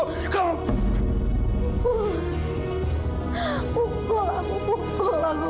pukul aku pukul aku